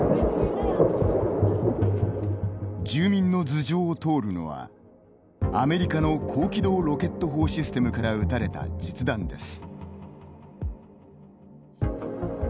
住民の頭上を通るのはアメリカの高機動ロケット砲システムから撃たれた実弾です。